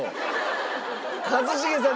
一茂さん